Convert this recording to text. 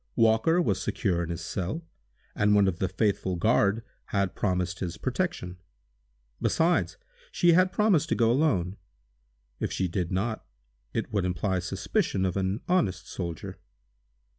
Walker was secure in his cell, and one of the faithful guard had promised his protection. Besides, she had promised to go alone. If she did not, it would imply suspicion of an honest soldier.